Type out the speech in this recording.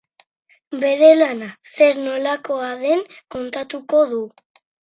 Bere lana zer nolakoa den kontatuko du.